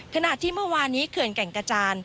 ขณะที่เมื่อวานนี้เขื่อนแก่งกระจาน